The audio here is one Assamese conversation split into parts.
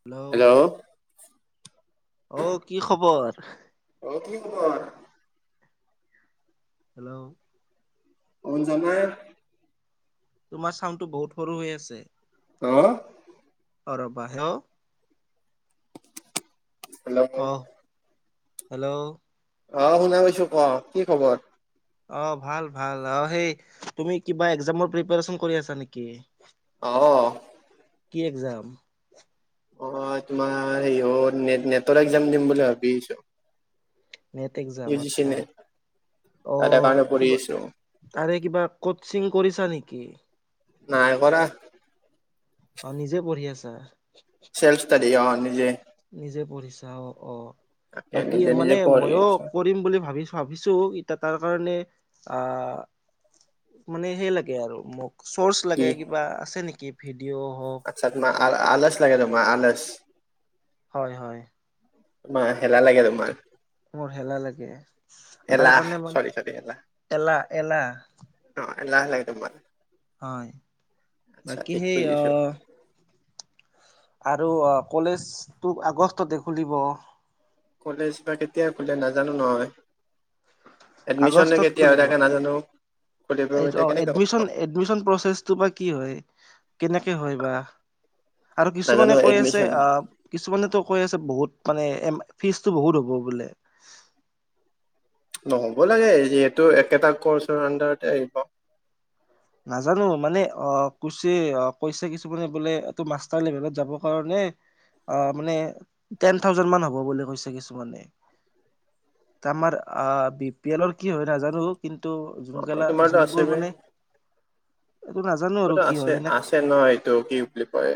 হেল্ল' আহ কি খবৰ? অ কি কুমাৰ- হেল্ল' অন যাবয় তোমাৰ চাউডটো বহুত সৰু হৈ আছে। হা ৰবা হেঅ হেল্ল' হেল্ল' অ শুনা পাইছো কোৱা কি খবৰ? অ ভাল ভাল অ সেই তুমি কিবা একজামৰ প্ৰিপৰেচন কৰি আছা নেকি? অ কি এক্সাম? অ তোমাৰ হেৰি হ নে নেটৰ একজাম দিম বুলি ভাবিছো। নেটএগজাম আচ্ছা। অ তাৰে কাৰণে পঢ়ি কিবা আছো তাৰে কিবা কচিং কৰিছা নেকি? নাই কৰা। অ নিজে পঢ়ি আছা। চেলছতাদি অ নিজে। নিজে পঢ়িছা অ অ তাকে বাকী নিজে মানে নিজে পঢ়ি ময়ো আছো কৰিম বুলি ভাবিছো ভাবিছো এতিয়া তাৰ কাৰণে আহ মানে সেই লাগে আৰু মোক চৌৰ্চ কি লাগে কিবা আছে নিকি আচ্ছা তোমাৰ আ আলচ লাগে তোমাৰ আলচ হয় হয় মা হেলা লাগে তোমাৰ মোৰ হেলা লাগে তাৰ এলাহ কাৰণে চৰি চৰি মানে এলাহ এলা এলা অ এলাহ লাগে তোমাৰ, আচ্ছা বাকী ঠিক সেই কৰি আছো। আহ আৰু কলেজটো আগষ্টতে খুলিব। কলেজ বা কেতিয়া খোলে নাজানো নহয় এডমিশনে কেতিয়া হৈ থাকে নাজানো খুলিব অ এতিয়া কেনেকে এডমিন এডমিশন প্ৰচছটো বা কি হয় কেনেকে হয় বা আৰু নাজানো কিছুমানে কৈ আছে এডমিশন আহ কিছুমানেতো কৈ আছে বহুত মানে এ ফিজটো বহুত হ'ব বোলে। নহব লাগে যিহেতু একেটা কৰ্চৰ আন্ডাৰতে আহিব নাজানো মানে অ কুছে কৈছে কিছুমানে বোলে এইটো মাষ্টাৰ লেভেলত যাবৰ কাৰণে অ মানে টেন থাউজেড মান হ'ব বুলি কৈছে কিছুমানে ত আমাৰ আহ বি পি এলৰ কি হয় নাজানো কিন্তু যোনকেলা যোনবোৰ মানে এইটো নাজানো আৰু বাত কি আছে হয় সেনে আছে নয় এইটো কি বুলি কয়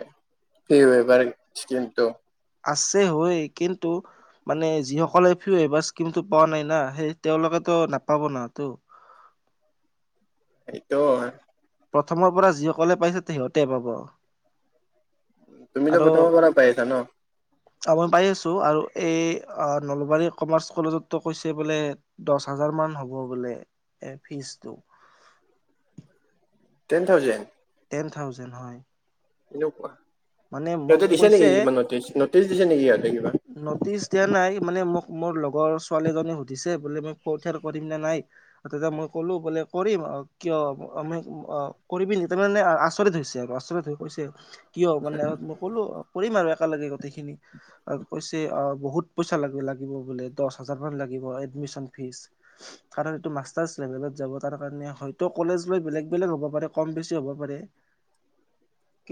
সেই এবাৰ কিন্তু আছে হয় কিন্তু মানে যি সকলে এবাৰ স্কিম টো পোৱা নাই না সেই তেওঁ লোকে টো নাপাব না তো এইটো হয় প্ৰথমৰ পৰা যিসকলে পাইছে সিহঁতে পাব। তুমিতো আৰু প্ৰথমৰ পৰা পাই আছা ন আপই পাই আছো। আৰু এই নলবাৰী কমাৰ্চ কলেজতো কৈছে বোলে দহ হাজাৰ মান হ'ব বোলে- এ ফিজটো। টেন থাউজেড টেন থাউজেণ্ড হয়। এনে কোৱা মানে মোক কৈছে নটিচ দিছে নেকি সিহঁতে কিবা নটিচ দিয়া নাই মানে মোক মোৰ লগৰ ছোৱালীজনী সুধিছে বোলে মই কঠিয়াৰ কৰিম নে নাই তেতিয়া মই ক'লো বোলে কৰিম অ কিয় মান অ কৰিবি নি তাৰমানে আচৰিত হৈছে আৰু আচৰিত হৈ কৈছে কিয় মানে মই কলো কৰিম আৰু এক তা লাগে গোটেইখিনি কৈছে অ বহুত পইচা লাগ লাগিব বোলে দহ হাজাৰ মান লাগিব এড এডমিছন ফিছ কাৰণ এইটো মাষ্টাৰছ লেভেলত যাব তাৰ কাৰণে হয়টো কলেজ লৈ বেলেগ বেলেগ হব পাৰে কম বেছি হ'ব পাৰে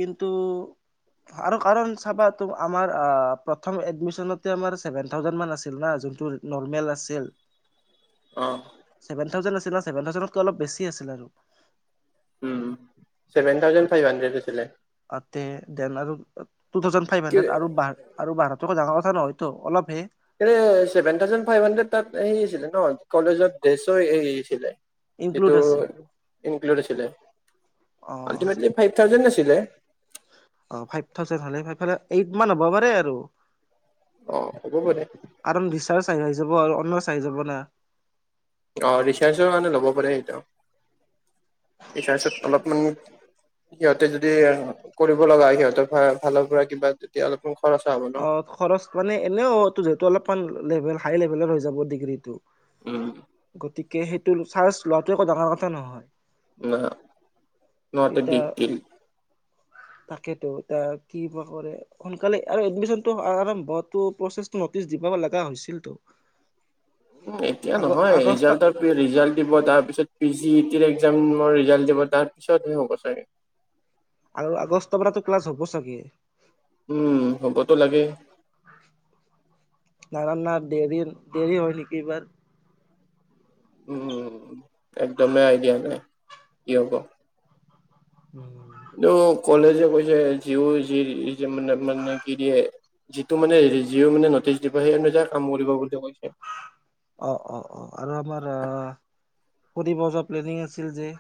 কিন্তু আৰু কাৰণ চাবা তো আমাৰ প্ৰথম এডমিচনতে আমাৰ চেভেন থাউজেন মান আছিল না যোনটো নৰ্মেল আছিল অ চেভেন থাউজেন আছিল নে চেভেন থাউজেনতকে অলপ বেছি আছিল আৰু উম ছেভেন থাউজেণ্ড ফাইভ হানড্ৰেড আছিলে তে দেন আৰু টু থাউজেন ফাইভ কি হাড্ৰেড আৰু আৰু বা ডাঙৰ কথা নহয়তো অলপ হে এ ছেভেন থাউজেন ফাইভ হাড্ৰেড তাত হে আছিলে ন কলেজত ড্ৰেছৰ হেৰী আছিলে ইনক্লুড ইটো আছিল এনক্লুদ আছিলে অ আলটিমেটলি ফাইভ থাউজেন লৈছে ছিলে অ ফাইভ থাউজেন হলে সেফালে এইট মান হ'ব পাৰে আৰু অ হব পাৰে চাই আহি যাব আৰু অন্য চাই যাব না অ ৰিচাৰ্জৰ কাৰণে ল'ব পাৰে সটো ৰিচাৰ্জত অলপমান- সিহঁতে যদি কৰিব লগা সিহঁতেৰ ভালৰ পৰা কিবা তেতিয়া অলপ- অ খৰচ মানে এনেও যিহেতু অলপমান লেভেল হাই লেভেলৰ হৈ যাব ডিগ্ৰীটো। উম গতিকে সেইটো চাৰ্জ লোৱাটো একো ডাঙৰ কথা নহয়। ন এ এতিয়া বিগ দিল- তাকেতো এ কি বা কৰে সোনকালে- আৰু এডমিচনটো আৰম্ভ প্ৰচছটো নটিচ দিব লগা হৈছিলতটো। উ এতিয়া নহয় ৰিজালট ৰিজালট দিব তাৰ পিছত। জি ই টিৰ একজামৰ ৰিজাল্ট দিব তাৰ পিছতহে হ'ব চাগে। আৰু আগষ্টৰ পৰাতো ক্লাছ হ'ব চাগে। উম হ'বতো লাগে। ন নান না দেৰি দেৰি হয় নেকি এইবাৰ উম একদমেই আইডিয়া নাই কি হ'ব উম এই কলেজে কৈছে যি যি মানে মানে কি দিয়ে। যিটো মানে যিও মানে নটিচ দিব সেই অনুযায়ে কাম কৰিব বুলি কৈছে। অ অ অ আৰু আমাৰ ফুৰিব যোৱা প্লেনিং আছিল যে-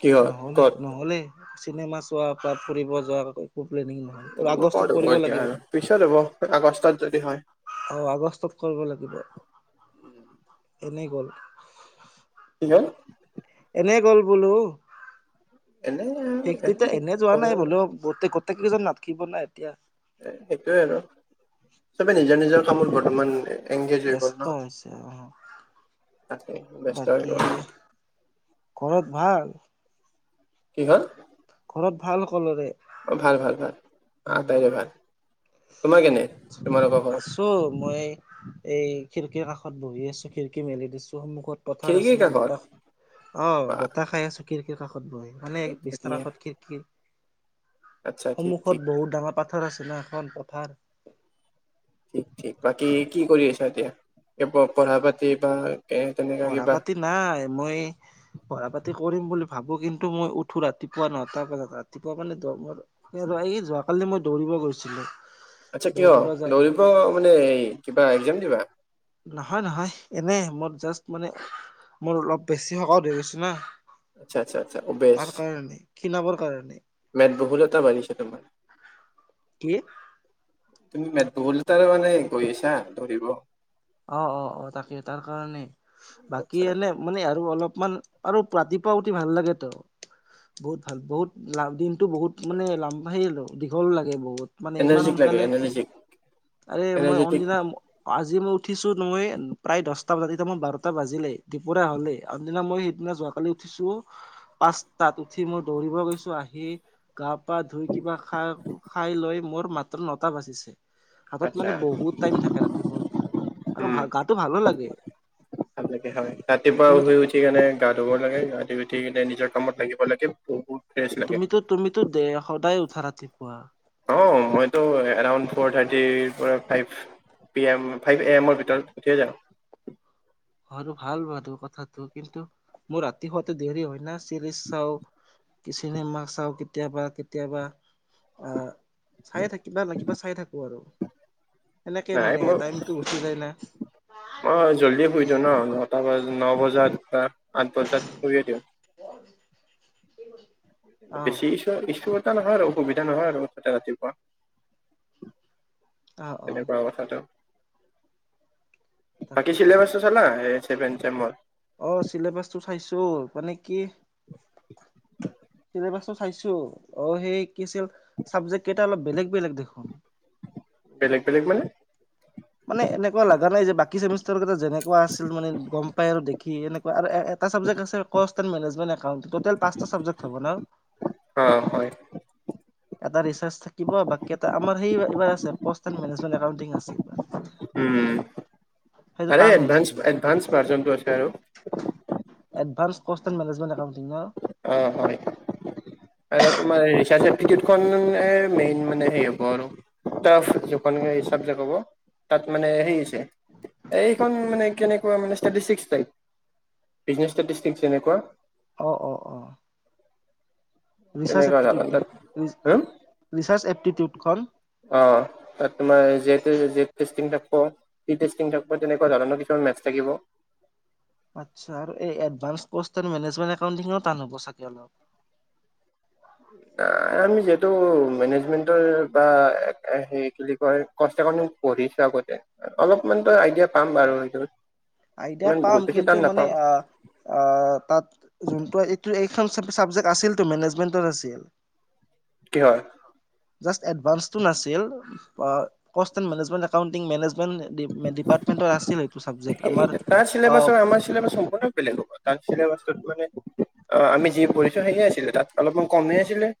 কিহত নহলেই ক'ত নহলেই চিনেমা চোৱা বা ফুৰিব যোৱাকৈ- একো প্লেনিং নহল ক'ত আগষ্টত হ'ব কৰিব এতিয়া লাগিব। আৰু পিছত হ'ব আগষ্টত যদি হয় অ আগষ্টত কৰিব লাগিব এনেই গ'ল। কি হল? এনে গ'ল বোলো। এনে সেই এনে তেতি এনেই যোৱা নাই বোলো গোট গোটেই কেইজন নাথকিব নাই এতিয়া। এ সেইটোয়ে আৰু চবে নিজৰ নিজৰ কামত বৰ্তমান- এংগেজ হৈ গ'ল ন ব্যস্ত হৈছে আ তাতে ব্যস্ত হৈ বাকী গ'ল ঘৰত ভাল কি হ'ল? ঘৰত ভাল সকলোৰে? অ ভাল ভাল ভাল উম তাইৰো ভাল। তোমাৰ কেনে তোমালোকৰ ঘৰত আছো। মই এই খিৰিকী কাষ ত বহি আছো। খিৰিকি মেলি দিছো। সন্মুখত পথাৰ খিৰিকীৰ আছে না কাষত বতাহ অ বা বতাহ খাই আছো খিৰিকীৰ কাষত। ব মানে বিছনাৰ ধুনীয়া কাষত খিৰিকীৰ- আচ্ছা ঠিক ঠিক সন্মুখত বহুত ডাঙৰ পাথৰ আছে ন এখন পথাৰ। ঠিক ঠিক বাকী কি কৰি আছা। এতিয়া এই পঢ়া পাতি বা এ তেনেকা পঢ়া কিবা পাতি নাই মই পঢ়া পাতি- কৰিম বুলি ভাবো কিন্তু মই উঠো ৰাতিপুৱা নটা বজাত। ৰাতিপুৱা মানে যোৱাকালি। মই দৌৰিব গৈছিলো। আচ্ছা কিয় দৌৰিব যাই দৌৰিব মানে এই কিবা এক্জাম দিবা? নহয় নহয় এনে মই জাষ্ট মানে মোৰ অলপ বেছি হকত হৈ গৈছো না। আচ্ছা আচ্ছা আচ্ছা অ বেছ তাৰ কাৰণে ক্ষীণাবৰ কাৰণে মোদবহুলতা বাঢ়িছে তোমাৰ। কি? তুমি মেদবহুলতা মানে গৈ আছা দৌৰিব? অ অ অ তাকে তাৰ কাৰণে বাকী আচ্ছা এনে মানে আৰু অলপ মান আৰু ৰাতিপুৱা উঠি ভাল লাগেতো। বহুত ভাল বহুত লাভ দিনতটো বহুত মানে লাম দীঘল লাগে বহুত। বহুত মানে ইমান এনাৰ্জিক লাগে সোনকালে এনাৰ্জিক আৰে মই এনাৰ্জেটিক অনদিনা উঠিছোঁ মই প্ৰায় দহটা বজাত। এতিয়া মই বাৰটা বাজিলেই, দপৰীয়া হ'লেই। আন দিনা মই সেইদিনা যোৱাকালি উঠি- উঠিছো পাঁচটাত উঠি মই দৌৰিব গৈছো আহি গা পা ধুই কিবা খাই। খাই লৈ মোৰ মাত্ৰ নটা বাজিছে। হাতত আচ্ছা মানে বহুত টাইম থাকে ৰাতিপুৱা উঠিলে। আৰু গাটো ভালো লাগে। ভালকে হয় ৰাতিপুৱা তুমিতো শুই উঠি কেনে গা ধুব লাগে গা ধুই উঠি কেনে নিজৰ কামত লাগিব লাগে বহুত ফ্ৰেছ লাগে তুমিতো তুমিতো দে সদায় উঠা ৰাতিপুৱা অ মইতো এলাৰ্ম ফ'ৰ থাৰ্টিৰ পৰা five P M five A এমৰ ভিতৰত উঠিয়ে জাও। [inaudible] আৰু ভাল বাৰু কথাটো কিন্তু মোৰ ৰাতি শুৱাতটো দেৰি হয় ন চিৰিজ চাও চিনেমা চাওঁ কেতিয়াবা কেতিয়াবা আহ চাইে থাকিবা ন কিবা চাই থাকো আৰু। সেনেকে নাই মানে মই টাইমতটো গুচি যায় মই জল্দি ন শুই দিওঁ ন নটা ব ন বজাত বা আঠ বজাত শুৰিয়ে দিওঁ। কিম বেছি ইু ইছু এটা নহয় আৰু অসুবিধা নহয় আৰু মুঠতে ৰাতি অ অ তেনেকুৱা কথাটো বাকি তাকেতো চিলেবাচ চালা চেভেন চেমৰ? অ চিলেবাচটো চাইছো মানে কি [inaudible] চিলেবাচটো চাইছো অ সেই কিছিল চাবজেক্ট কেইটা অলপ বেলেগ বেলেগ দেখোন। বেলেগ বেলেগ মানে? মানে এনেকুৱা লগা নাই যে বাকী চেমিষ্টাৰ কেইটা যেনেকুৱা আছিল মানে গম পাই আৰু দেখি এনেকুৱা আৰু এটা চাবজেক্ট কষ্টেল মেনেজমেণ্ট একাউণ্ট, টুটেল পাঁচটা হব না [inaudible] অ হয় এটা ৰিচাৰ্চ থাকিব বাকী এটা আমাৰ সেইবাৰ আ এ মেনেজমে এউটি আছে। এইবাৰ উম সেইটো টান হয় চাগে এডভাঞ্চ মাৰ্জনটো আছে আৰু আৰু হোষ্টেল মেনেজমেনত একাউন্টিং না অ হয় আৰু তোমাৰ ৰিচাজ এপিলিকেত খন মেইন মানে হেই হব আৰু [inaudible] এইখন মানে কেনেকুৱা মানে ইষ্টাদিচিক্সটাইপ বিজিনেছষ্টাডী তেনেকুৱা অ অ অ ৰিচাৰ্চ তেনেকুৱা এপটিটিউডটো জাবানদত হম ৰিচাৰ্চ এপটিটিউডখন [unintelligible] [inaudible] আচ্ছা আৰু এই এডভাঞ্চ কষ্ট মেনেজমেণ্ট একাউটিঙ টান হ'ব চাগে অলপ আমি যিহেতু মেনেজমেন্টৰ বা হে কি বুলি কয় কষ্ট পঢ়িছ আগতে অলপমানতো আইডিয়া পাম বাৰু এইটোত আইডিয়া পাম কিন্তু মানে আহ আহ তাত যোনটো এইটো প্ৰথম চাবজেক্ট আছিল মেনেজমেন্ট আছিল। কি হয়? জাষ্ট এডভান্সটো নাছিল পা কাষ্টিংমেংমেণ্ট একাউন্টিং মেনেজ মেন ডিপাৰ্টমেন্টৰ আছিল। এইটো চাবজেক্ট আমাৰ সেই তাৰ অ' চিলেবাছৰ আমাৰ চিলেবাছৰ সম্পূৰ্ণ বেলেগ হ'ব তাৰ চিলেবাছ মানে অ আমি যি পঢ়িছো সে আছিলে তাত অলপমান কমে আছিলে।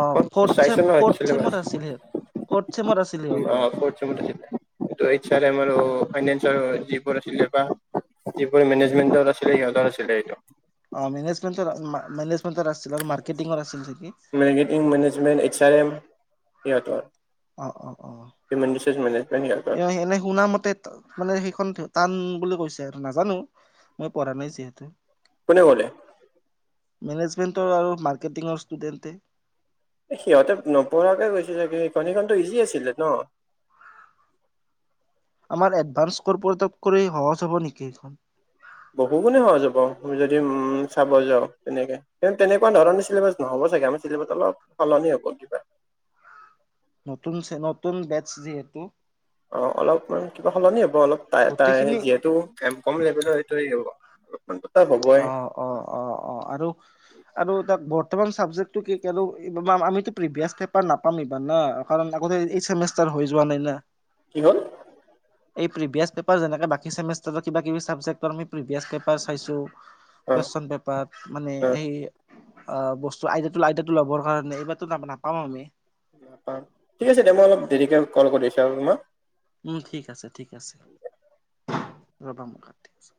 অ মই ফড চেম চাইছো নহয় ফড চেম চিলেবাছ আছিলে ফড [inaudible] ফাইনেন্সৰ যিবোৰ আছিলে বা যিবোৰ মেনেজমেন্টত আছিলে সিহঁত আছিলে সেইটো অ মেনেজমেণ্টৰ মেনেজমেণ্টৰ আছিল আৰু মাৰ্কেটিংৰ আছিল চাগে marketing management H R M সিহঁতৰ অ অ অ হিউমেন ৰিচৰ্চ মেনেজমেণ্ট সিহঁতৰ এ এনে শুনামতে মানে সেইখন টান বুলি কৈছে আৰু নাজানো মই পঢ়া নাই যিহেতু কোনে কলে মেনেজমেন্টৰ আৰু মাৰ্কেটিং ষ্টুডেণ্টতে সিহঁতে নপঢ়াকে গৈছিলে কি এইখনী এইখনো ইজি আছিলে ন আমাৰ এডভানস কৰ্পৰেটৰ কৰি সহজ হ'ব নেকি এইখন বহু গুণে সহজ হ'ব যদি উম চাব যাওঁ তেনেকে তেনেকুৱা ধৰণৰ চিলেবাছ নহ'ব চাগে আমি চিলিবাছত অলপ সলনি হ'ল কিবা নতুন ছে নতুন বেচ যিহেতু গোটেইখিনি [inaudible] হ'বই অ অ অ অ আৰু আৰু তাক বত বৰ্তমান চাবজেক্টো কি আৰু আমি প্ৰিভিয়াছ পেপাৰ নাপাম ইবাৰ নে কাৰণ আগতে এইচেমেষ্টাৰ হৈ যোৱা নাই না কি হল এই প্ৰিভিয়াছ পেপাৰ যেনেকে বাকীচেমেষ্টাৰ কিব কিবি চাবজেক্টৰ আ প্ৰিভিয়াছ পেপাৰ চাইছো অ কুৱেশন পেপাৰ মানে সেই অ বস্তু আইদিয়াটো আইদিয়াটো ল'বৰ কাৰণে এইবাৰো ন নাপাও আমি পাম ঠিক আছে দে মই অলপ দেৰিকে কল কৰি আছো আৰু তোমাক উম ঠিক আছে ঠিক আছে ৰবা মই কাতি আছোঁ